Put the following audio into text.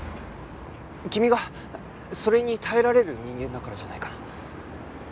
君がそれに耐えられる人間だからじゃないかな。